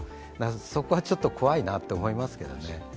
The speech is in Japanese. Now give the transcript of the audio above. そこはちょっと怖いなと思いますけどね。